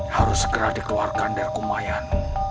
harus segera dikeluarkan dari kumayan